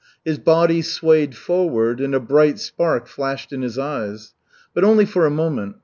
His body swayed forward and a bright spark flashed in his eyes. But only for a moment.